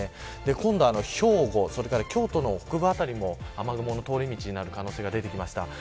今度は兵庫京都の北部辺りも雨雲の通り道になる可能性が出てきました。